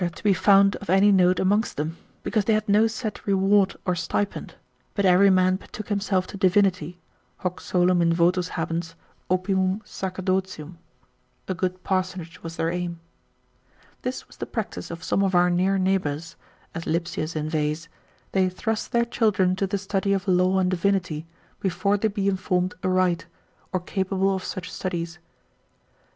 to be found of any note amongst them, because they had no set reward or stipend, but every man betook himself to divinity, hoc solum in votis habens, opimum sacerdotium, a good parsonage was their aim. This was the practice of some of our near neighbours, as Lipsius inveighs, they thrust their children to the study of law and divinity, before they be informed aright, or capable of such studies.